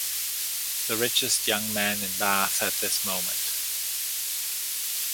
The richest young man in Bath at this moment.